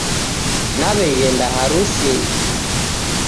Naw'eghenda harusinyi.